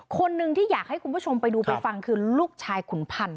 คนหนึ่งที่อยากให้คุณผู้ชมไปดูไปฟังคือลูกชายขุนพันธ